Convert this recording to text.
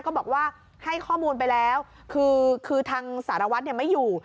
ก็บอกว่าให้ข้อมูลไปแล้วคือทางสารวัตรไม่อยู่